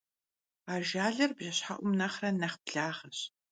Ajjalır bjjeşhe'um nexhre neh blağeş.